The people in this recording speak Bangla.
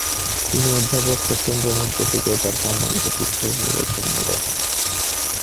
তিনি অধ্যাপক সত্যেন্দ্রনাথ বসুকে তার সম্মানিত শিক্ষক হিসেবে গণ্য করেন।